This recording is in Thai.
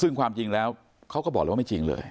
ซึ่งความจริงแล้วเขาก็บอกเลยว่าไม่จริงเลย